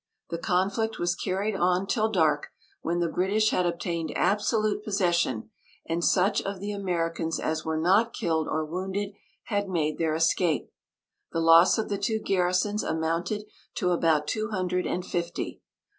The conflict was carried on till dark, when the British had obtained absolute possession, and such of the Americans as were not killed or wounded had made their escape. The loss of the two garrisons amounted to about two hundred and fifty.